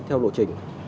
theo lộ trình